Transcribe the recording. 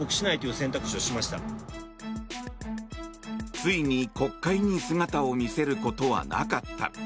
ついに国会に姿を見せることはなかった。